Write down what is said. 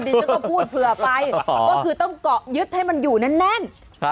ฉันก็พูดเผื่อไปก็คือต้องเกาะยึดให้มันอยู่แน่น